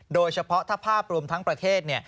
โดยเฉพาะถ้าภาพรวมทั้งประเทศ